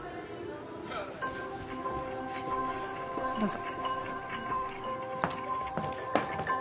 どうぞ。